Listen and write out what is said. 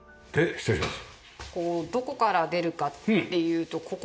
失礼します。